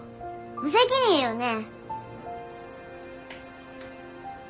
無責任よね？